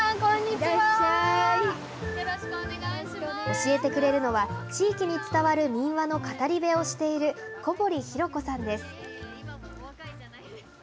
教えてくれるのは、地域に伝わる民話の語り部をしている、小堀ひろ子さんです。